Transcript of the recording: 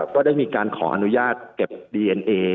ก็ได้มีการขออนุญาตเก็บดีเอ็นเอ